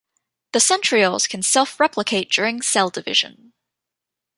The centrioles can self replicate during cell division.